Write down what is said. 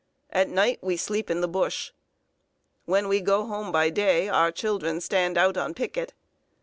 At night we sleep in the bush. When we go home by day, our children stand out on picket.